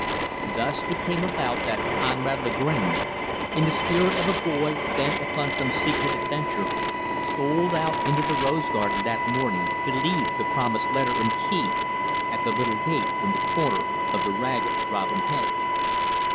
Thus it came about that Conrad Lagrange in the spirit of a boy bent upon some secret adventure stole out into the rose garden, that morning, to leave the promised letter and key at the little gate in the corner of the Ragged Robin hedge.